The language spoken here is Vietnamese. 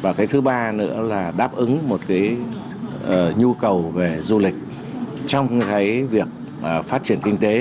và cái thứ ba nữa là đáp ứng một cái nhu cầu về du lịch trong cái việc phát triển kinh tế